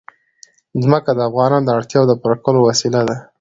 ځمکه د افغانانو د اړتیاوو د پوره کولو وسیله ده.